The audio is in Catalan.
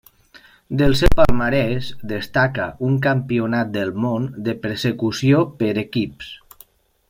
Del seu palmarès destaca un Campionat del món de Persecució per equips.